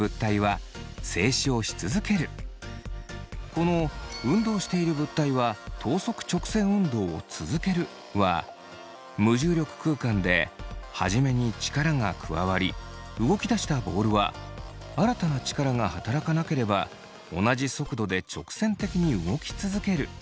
この「運動している物体は等速直線運動を続ける」は無重力空間で初めに力が加わり動き出したボールは新たな力が働かなければ同じ速度で直線的に動き続けるということ。